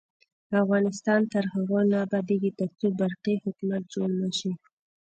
افغانستان تر هغو نه ابادیږي، ترڅو برقی حکومت جوړ نشي.